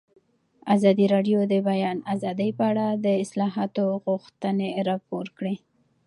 ازادي راډیو د د بیان آزادي په اړه د اصلاحاتو غوښتنې راپور کړې.